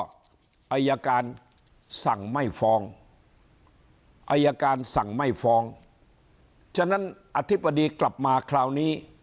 อายการสั่งไม่ฟ้องอายการสั่งไม่ฟ้องฉะนั้นอธิบดีกลับมาคราวนี้